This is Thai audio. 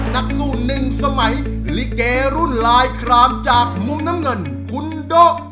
นักสู้หนึ่งสมัยลิเกรุ่นลายครามจากมุมน้ำเงินคุณโดะ